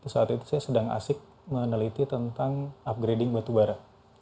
saat itu saya sedang asik meneliti tentang upgrading batubara